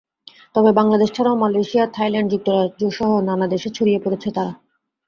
তবে বাংলাদেশ ছাড়াও Malaysia, Thailand, যুক্তরাজ্যসহ নানা দেশে ছড়িয়ে পড়ছে তারা।